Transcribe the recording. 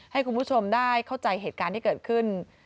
ให้คุณผู้ชมได้เข้าใจเหตุการณ์ที่เกิดขึ้น